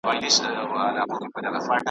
د دوی د پیدایښت سره تړلې ده .